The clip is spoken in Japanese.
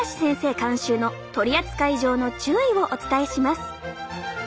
監修の取り扱い上の注意をお伝えします。